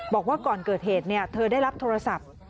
บอกว่าก่อนเกิดเหตุเธอได้รับโทรศัพท์